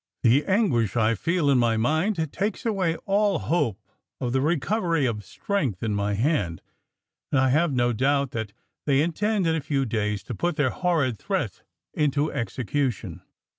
"The anguish I feel in my mind takes away all hope of the recovery of strength in my hand; and I have no doubt but that they intend in a few days to put their horrid threat into execution.